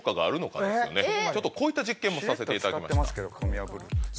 ちょっとこういった実験もさせていただきました。